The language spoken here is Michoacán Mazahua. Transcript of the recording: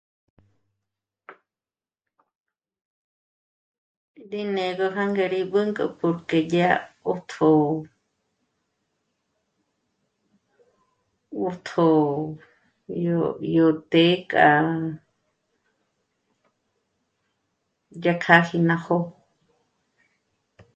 Rí né'egö jânge rí bǚn'k'o porque yá 'òtjō... 'ṑtjo yó té'e k'a dya k'â'aji ná jó'o